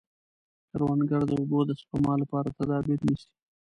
کروندګر د اوبو د سپما لپاره تدابیر نیسي